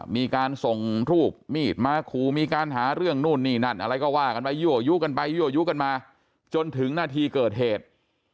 มีการส่งรูปมีดมาขู่มีการหาเรื่องนู่นนี่นั่นอะไรก็ว่ากันไปยั่วยู้กันไปยั่วยู้กันมาจนถึงหน้าที่เกิดเหตุ